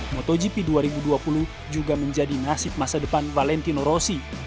motogp dua ribu dua puluh juga menjadi nasib masa depan valentino rossi